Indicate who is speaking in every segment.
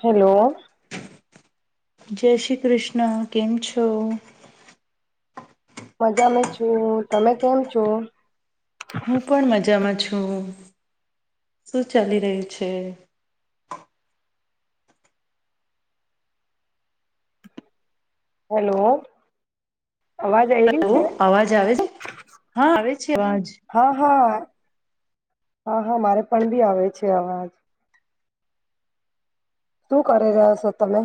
Speaker 1: Hello.
Speaker 2: જય શ્રી કૃષ્ણ કેમ છો?
Speaker 1: મજા મે છું તમે કેમ છો?
Speaker 2: હું પણ મજામાં છું શું ચાલી રહ્યું છે?
Speaker 1: હેલો. અવાજ આવી રહી
Speaker 2: હલો
Speaker 1: છે
Speaker 2: અવાજ આવે છે હા આવે છે અવાજ.
Speaker 1: હા હા હા હા મારે પણ બી આવે છે અવાજ. શું કરી રહ્યા છો તમે?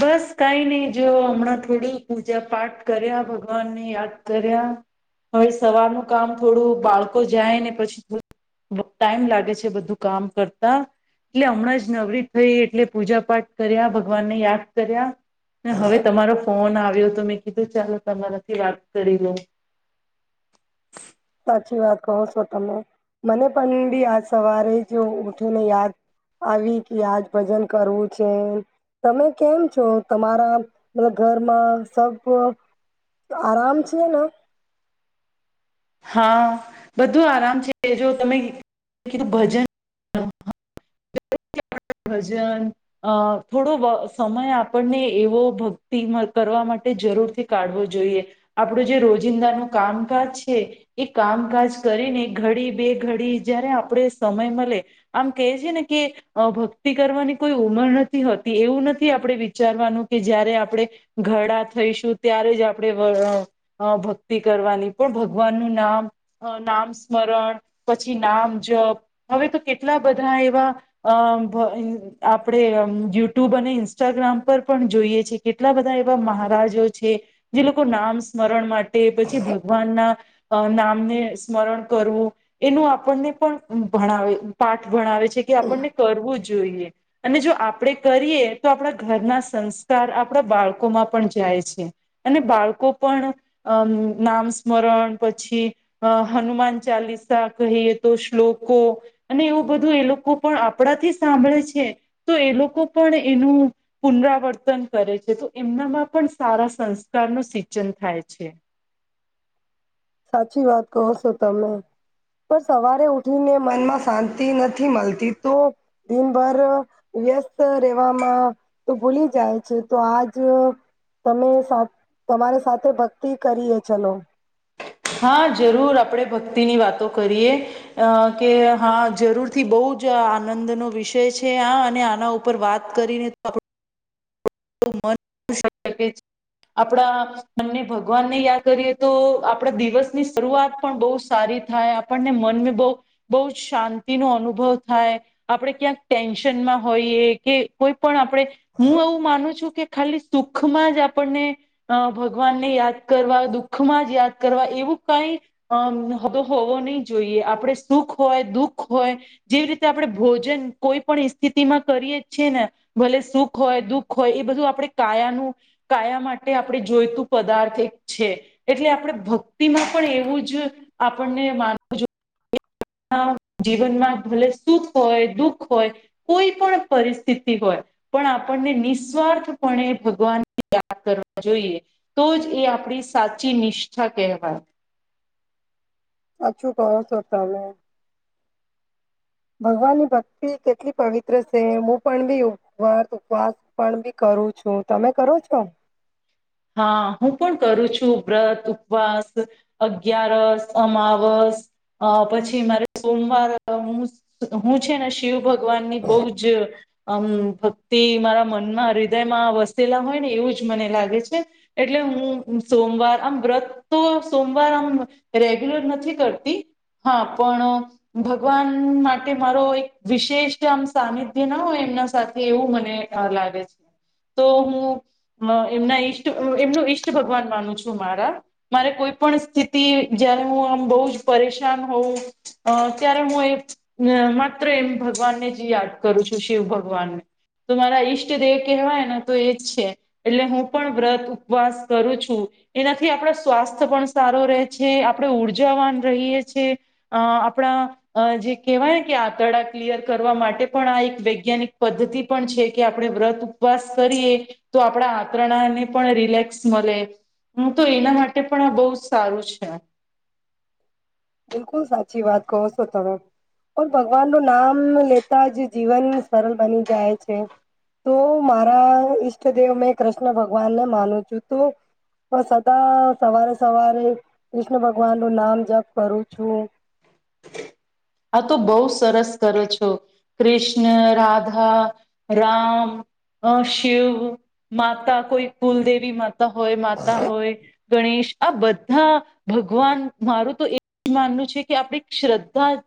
Speaker 2: બસ કઈ નહી જોયો હમણાં થોડી પૂજા પાઠ કર્યા ભગવાનને યાદ કર્યા હવે સવારનું કામ થોડું બાળકો જાય ને પછી ટાઈમ લાગે છે બધું કામ કરતા એટલે હમણાં જ નવરી થઈ એટલે પૂજા પાઠ કર્યા ભગવાન ને યાદ કર્યા હવે તમારો ફોન આવ્યો તો મેં કીધું ચાલો તમારાથી વાત કરી લઉં.
Speaker 1: સાચી વાત કહો છો તમે મને પણ બી આજ સવારે જ ઉઠીને યાદ આવી કે આજ ભજન કરવું છે. તમે કેમ છો તમારા ઘરમાં સબ તો આરાામ છએ
Speaker 2: હા બધું આરામ છે જો તમે કીધું ભજન ભજન અ થોડો સમય આપણને એવો ભક્તિ કરવા માટે જરૂરથી કાઢવો જોઈએ આપડો જે રોજિંદા ન કામકાજ છે એ કામકાજ કરીને ઘડી બે ઘડી જયારે આપણે સમય મળે આમ કે છે ન કે અ ભક્તિ કરવાની કોઈ ઉમર નથી હોતી એવું નથી આપણે વિચારવાનું કે જય્યારે આપણે ઘડા થઈશું ત્યારે જ આપણે અ ભક્તિ કરવાની પણ ભગવાન નું નામ અ નામ સ્મરણ પછી નામ જપ હવે તો કેટલા બધા એવા અ આપણે યુટ્યુબ અને ઇન્સ્ટાગ્રામ પર પણ જોઈએ છે કેટલા બધા એવા મહારાજો છે જે લોકો નામ સ્મરણ માટે પછી ભગવાનના અ નામને સ્મરણ કરવું એનું આપણને પણ ભણાવે પાઠ ભણાવે છે છે કે આપણને કરવું જોઈએ અને જો આપણેે કરીએ તો આપણા ઘરના સંસ્કાર આપણા બાળકોમાં પણ જાય છે અને બાળકો પણ અમ નામ સ્મરણ પછી અ હનુમાન ચાલીસા કહીએ તો શ્લોકો અને એવું બધું એ લોકો પણ આપણાથી સાંભળે છે તો એ લોકો પણ એનું પુનરાવર્તન કરે છે તો એમનામાં પણ સારા સંસ્કાર ન સિંચન થાય છે
Speaker 1: સાચી વાત કહો છો તમે પણ સવારે ઉઠીને મનમાં શાંતિ નથી મળતી તો દિનભર વ્યસ્ત રહેેવામાં તો ભૂલી જાય છે તો આજ તમે તમારી સાથે ભક્તિ કરીએ ચલો
Speaker 2: હા જરૂર આપણેે ભક્તિની વાતો કરીએ અ કે હા જરૂરથી બહુ જ આનંદનોો વિષય છે આ અને આના ઉપર વાત કરીને તો આપ મકે છે આપણા બને ભગવાનને યાદ કરીએ તો આપડા દિવસની શરૂઆત પણ બહ સારી થાય આપણને મનમાં બહ બહુ જ શાંતિનો અનુભવ થાય. આપણે ક્યાંક ટેન્શનમાં હોઈએ કે કોઈ પણ આપણે હું એવું માનું છ કે ખાલી સુખમાં જ આપણને અ ભગવાનને યાદ કરવા દુઃખમાં જ યાદ કરવા એવું કઈ અમ તો હોવો નહી જોઈએ આપણેે સુખ હોય દુઃખ હોય જેવી રીતે આપણે ભોજન કોઈ પણ સ્થિતિમાં કરીએ છીએ ને ભલે સુખ હોય દુઃખ હો હોય એ બધું આપણે કાયાનું કાયા માટે આપણે જોઈતું પદાર્થ એક છે એટલે આપણેે ભક્તિમાં પણ એવું જ આપણને માનવું જોએ જીવનમાં ભલે સુખ હોય દુઃખ હોય કોઈ પણ પરિસ્થિતિ હોય પણ આપણને નિસ્વાર્થપણે ભગવાન ની યાદ કરવા જોઈએ તો જ એ આપણી સાચી નિષ્ઠા કહેવાય
Speaker 1: અછું કર છતામે ભગવાન ની ભક્તિ કેટલી પવિત્ર છે હું પણ બી વર્ત ઉપવાસ પણ બી કરું છું, તમે કરો છો?
Speaker 2: હા હું પણ કરું છું વ્રત ઉપવાસ અગિયારસ અમાવસ અ પછી મારે સોમવાર હું હું છેને શિવ ભગવાન ની બહ જ અમ તે મારા મનમાં, રીદયમાં વસેલા હોય ને એવું જ મને લાગે છે. એટલે હું સોમવાર, આમ વ્રત તો સોમવાર આમ રેગ્યુલર નથી કરતી, હા પણ ભગવાન માટે મારો એક વિશેષ, આમ સાનિધ્ય ના હોય એમના સાથે! એવું મને લાગે છે, તો હું એમના ઈશ્ ટ, એમનું ઈષ્ટ ભગવાન માનું છું મારા મારે કોઈ પણ સ્થિતિ, જ્યારે હું આમ બહુ જ પરેશાન હોઉં અ ત્યારે હું એ હ માત્ર એમ ભગવાનને જ યાદ કરું છું, શિવ ભગવાનને તો મારા ઈષ્ટદેવ કહેવાયન તો એજ છે એટલે હું પણ વ્રત ઉપવાસ કરું છું એનાથી આપણો સ્વાસ્થ્ય પણ સારો રહે છે આપણે ઉર્જાવાન રહીએ છે અં, આપણા અ જે કહેવાયન કે આંતરડા ક્લિયર કરવા માટે પણ આ એક વૈજ્ઞાનિક પદ્ધતિ પણ છે કે આપણે વ્રત ઉપવાસ કરીએ તો આપણા આંતરણાને પણ રિલેક્સ મળે, હું તો એના માટે પણ આ બઉ જ સારું છે
Speaker 1: બિલકુલ સાચી વાત કહો સો તમે. પણ ભગવાનનું નામ લેતા જ જીવન સરલ બની જાય છે. તો મારા ઈષ્ટદેવ મેં કૃષ્ણ ભગવાન ને માનું છું તો તો સદા સવારે સવારે ક્રિષ્ણ ભગવાનનું નામ જપ કરું છું. [inaudible]
Speaker 2: આ તો બહુ સરસ કરે છો. કૃષ્ણ, રાધા, રામ, અ, શિવ, માતા, કોઈ કુલદેવી માત તા હોય, માતા હોય, ગણેશ આ બધા ભગવાન, મારું તો એ જ માનવું છે કે આપડે શ્રદ્ધા જ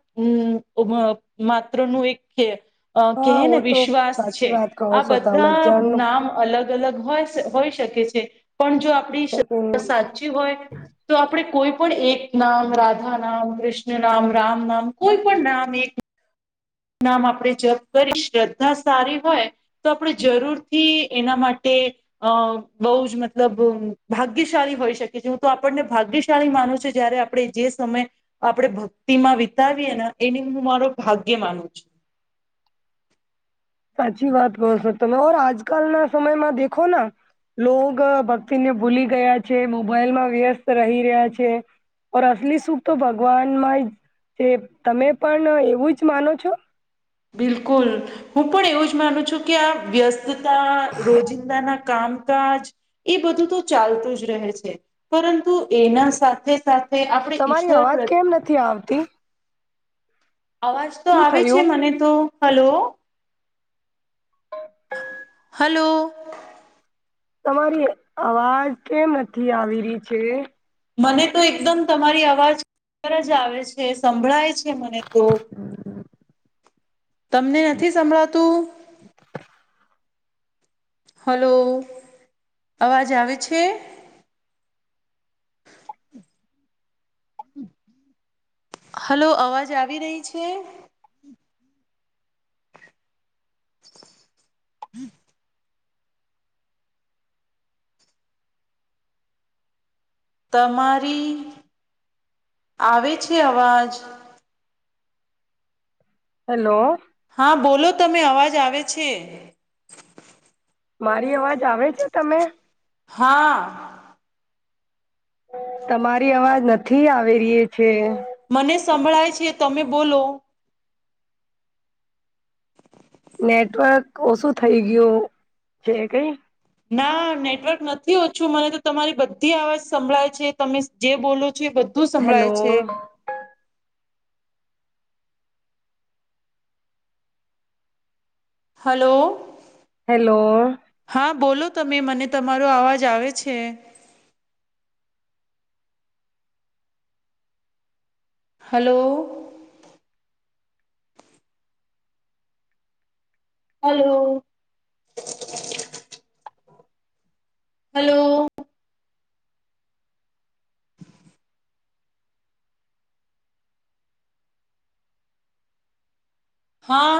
Speaker 2: અં માત્ર નું એક કે અ
Speaker 1: હા
Speaker 2: કેહે
Speaker 1: વો
Speaker 2: ને
Speaker 1: તો
Speaker 2: વિશ્વાસ
Speaker 1: સાચી
Speaker 2: છે,
Speaker 1: વાત કહો
Speaker 2: આ
Speaker 1: છો તમે
Speaker 2: બધા
Speaker 1: જન્મ
Speaker 2: નામ અલગ અલગ હો સ, હોય શકે છે, પણ જો આપણી સ સા
Speaker 1: સાચી
Speaker 2: ચી હોય તો આપણે કોઈ પણ એક નામ રાધા નામ, કૃષ્ણ નામ, રામ નામ, કોઈ પણ નામ એક નામ આપણે જપ કરી, શ્રદ્ધા સારી હોય તો આપણે જરૂરથી એના માટે અ બહુ જ મતલબ ભાગ્યશાળી હોઈ શકે છે, હું તો આપણને ભાગ્યશાળી માનું છું જ્યારે આપડે જે સમય, આપડે ભક્તિમાં વિતાવીએ ને એની હું મારો ભાગ્ય માનું છું
Speaker 1: સાચી વાત કહો છો, તમે ઓર આજકાલના સમયમાં દેખોના લોગ ભક્તિને ભૂલી ગયા છે, મોબાઈલમાં વ્યસ્ત રહી રહ્યા છે ઓર અસલી સુખ તો ભગવાન માંજ છે, તમે પણ એવું જ માનો છો?
Speaker 2: બિલકુલ હું પણ એવું જ માનું છું કે આ વ્યસ્તતા રોજિંદાના કામકાજ એ બધું તો ચાલતું જ રહે છે, પરંતુ એના સાથે સાથ એ આપણે ઈશ્વર પ્રત્ય
Speaker 1: થી આવતી?
Speaker 2: અવાજ તો
Speaker 1: શું
Speaker 2: આવે છે
Speaker 1: થયું
Speaker 2: મને તો, હલો! હલો!
Speaker 1: તમારી અવાજ કેમ નથી આવી રહી છે?
Speaker 2: મને તો એકદમ તમારી અવાજ રજ આવે છે, સંભળાય છે છે મને તો, તમને નથી સંભળાતું?
Speaker 1: [inaudible]
Speaker 2: હલો અવાજ આવે છે. હલો અવાજ આવી રહી છે. હમ તમારી આવે છે અવાજ
Speaker 1: હેલો
Speaker 2: હા બોલો તમે અવાજ આવે છે.
Speaker 1: મારી અવાજ આવે છે તમે?
Speaker 2: હા
Speaker 1: તમારી અવાજ નથી આવે રીએછે.
Speaker 2: મને સંભળાય છે તમે બોલો.
Speaker 1: નેટવર્ક ઓછું થઈ ગયું છે કઈ
Speaker 2: ના નેટવર્ક નથી ઓછું મને તો તમારી બધી આવાજ સંભળાય છે તમે જે બોલો છો એ હું
Speaker 1: હેલો
Speaker 2: સંભળાાય છે? હલો
Speaker 1: હેલો
Speaker 2: હા બોલો તમે મને તમારો અવાજ આવે છે. હલો હલો હલો હા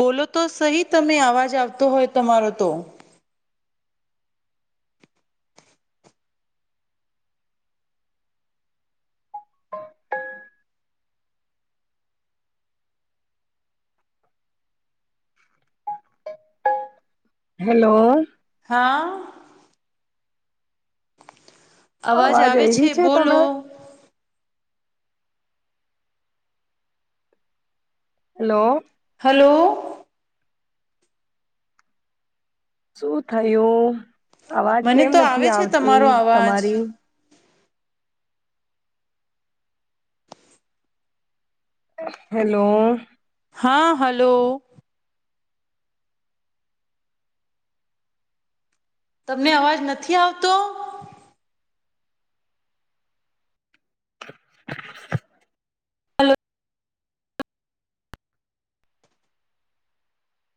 Speaker 2: બોલો તો સહી તમે અવાજ આવતો હોય તમારો તો
Speaker 1: હેલોલો
Speaker 2: હા અવાજ આવે
Speaker 1: આવી
Speaker 2: છે
Speaker 1: રહી
Speaker 2: બોલો.
Speaker 1: તમે હલો
Speaker 2: હલો
Speaker 1: શું થયું અવાજ
Speaker 2: મને
Speaker 1: કેમ
Speaker 2: તો આવે
Speaker 1: નથી
Speaker 2: છે
Speaker 1: આવતી
Speaker 2: તમારો અવાજ
Speaker 1: તમારી હેલો
Speaker 2: હા હલો તમને અવાજ નથી આવતો
Speaker 1: [inaudible]